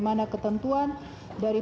mana ketentuan dari